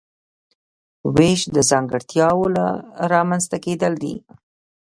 وېش د ځانګړتیاوو رامنځته کیدل دي.